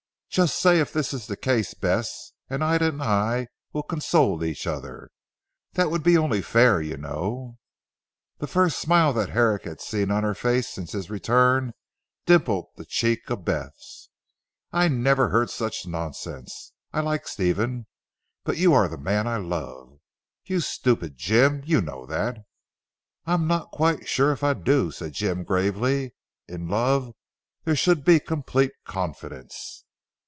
Just say if this is the case Bess and Ida and I will console each other! That would be only fair, you know!" The first smile that Herrick had seen on her face since his return dimpled the cheek of Bess. "I never heard such nonsense. I like Stephen, but you are the man I love. You stupid Jim; you know that!" "I am not quite sure if I do," said Jim gravely; "in love there should be complete confidence."